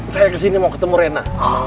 saya kesini mau ketemu rena